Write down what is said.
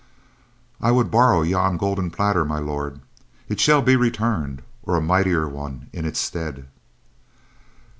"I would borrow yon golden platter, My Lord. It shall be returned, or a mightier one in its stead."